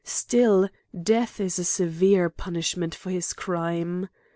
Still, death is a severe punishment for his crime.